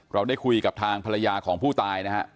เราได้คุยกับทางภรรยาของผู้ตายนะฮะ